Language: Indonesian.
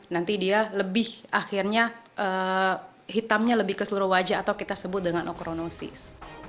nanti dia lebih akhirnya hitamnya lebih ke seluruh wajah atau kita sebut dengan okronosis